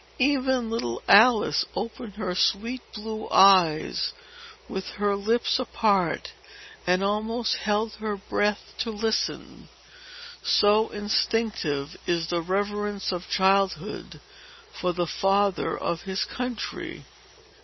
Even little Alice opened her sweet blue eyes, with her lips apart, and almost held her breath to listen; so instinctive is the reverence of childhood for the father of his country.